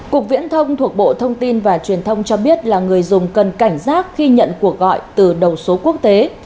cục viễn thông thuộc bộ thông tin và truyền thông cho biết là người dùng cần cảnh giác khi nhận cuộc gọi từ đầu số quốc tế